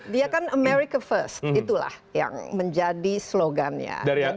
dia kan america first itulah yang menjadi slogannya